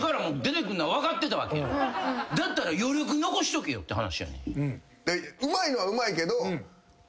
だったら余力残しとけよって話や。